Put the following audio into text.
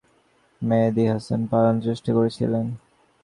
প্রথমে নিজ জেলা সাতক্ষীরা সীমান্ত দিয়ে পালানোর চেষ্টা করেছিলেন মেহেদি হাসান।